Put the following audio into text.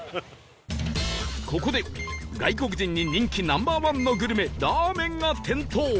ここで外国人に人気 Ｎｏ．１ のグルメラーメンが点灯